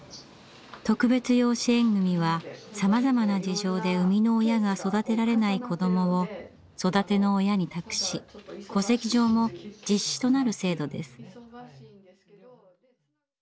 特別養子縁組はさまざまな事情で生みの親が育てられない子どもを育ての親に託し戸籍上も実子となる制度です。